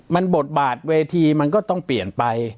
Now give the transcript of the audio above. มันบทบาทเวทีมันก็ต้องเปลี่ยนไป